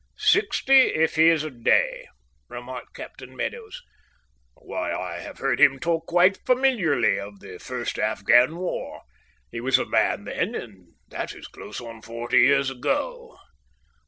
"Sixty, if he is a day," remarked Captain Meadows. "Why, I have heard him talk quite familiarly of the first Afghan war. He was a man then, and that is close on forty years ago."